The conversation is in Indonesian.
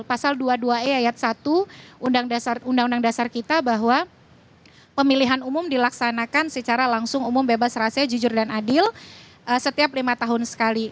pasal dua puluh dua e ayat satu undang undang dasar kita bahwa pemilihan umum dilaksanakan secara langsung umum bebas rahasia jujur dan adil setiap lima tahun sekali